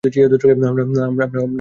আমরা তার মায়ের কাছে আছি।